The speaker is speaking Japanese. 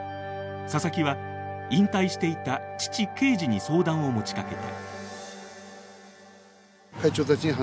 佐々木は引退していた父圭司に相談を持ちかけた。